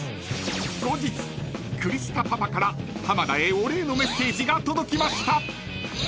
［後日クリスタパパから浜田へお礼のメッセージが届きました］